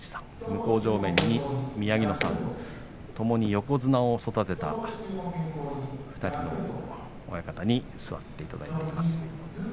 向正面に宮城野さんともに横綱を育てた２人の親方に座っていただいています。